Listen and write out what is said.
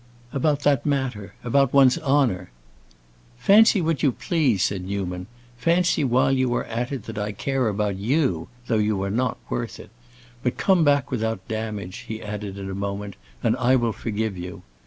"About that matter—about one's honor." "Fancy what you please," said Newman. "Fancy while you are at it that I care about you—though you are not worth it. But come back without damage," he added in a moment, "and I will forgive you.